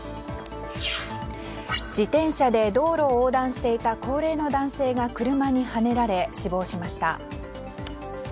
自転車で道路を横断していた高齢の男性が車にはねられ死亡しました。